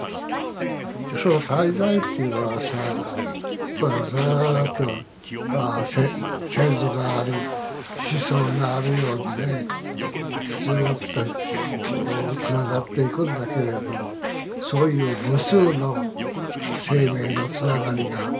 その滞在というのはさこれはずっと先祖があり子孫があるようにねずっとつながっていくんだけれどそういう無数の生命のつながりがひしめいているわけね。